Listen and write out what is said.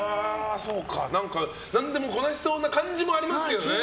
何でもこなしそうな感じもありますけどね。